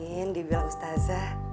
amin dia bilang ustazah